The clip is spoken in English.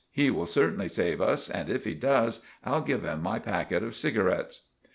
He will certainly save us, and if he does, I'll give him my packet of cigarets."